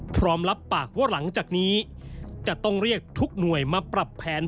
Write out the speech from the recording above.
พร้อมรับปากว่าหลังจากนี้จะต้องเรียกทุกหน่วยมาปรับแผน